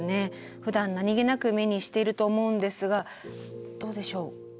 ふだん何気なく目にしていると思うんですがどうでしょう？